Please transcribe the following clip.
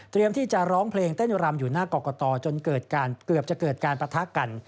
เตรียมที่จะร้องเพลงเต้นรำอยู่หน้ากอกกะต่อเกือบจะเกิดการปะทะกัน